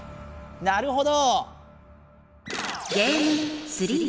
なるほど。